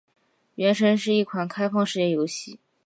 《原神》是一款开放世界游戏。